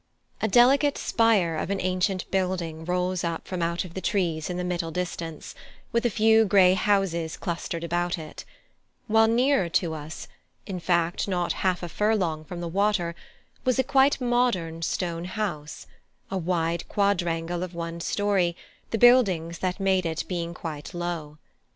A delicate spire of an ancient building rose up from out of the trees in the middle distance, with a few grey houses clustered about it; while nearer to us, in fact not half a furlong from the water, was a quite modern stone house a wide quadrangle of one story, the buildings that made it being quite low.